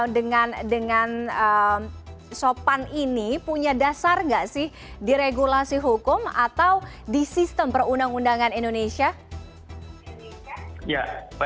dengan sopan ini punya dasar nggak sih di regulasi hukum atau di sistem perundang undangan indonesia